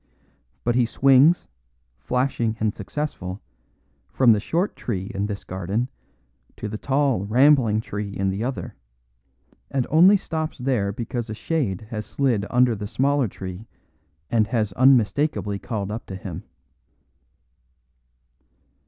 But he swings, flashing and successful, from the short tree in this garden to the tall, rambling tree in the other, and only stops there because a shade has slid under the smaller tree and has unmistakably called up to him.